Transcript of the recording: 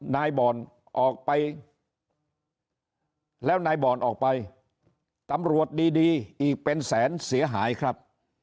นายบ่อนออกไปแล้วนายบ่อนออกไปตำรวจดีอีกเป็นแสนเสียหายครับ